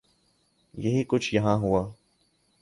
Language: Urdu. یہی کچھ یہاں ہوا۔